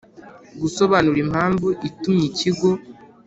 gusobanura impamvu itumye Ikigo